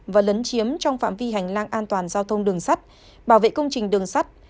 và lấn chiếm trong phạm vi hành lang an toàn giao thông đường sắt bảo vệ công trình đường sắt